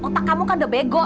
otak kamu kan udah bego